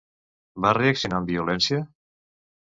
Va reaccionar amb violència?